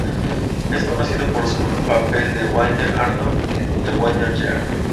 Es conocido por su papel de "Wayne Arnold" en "The Wonder Years".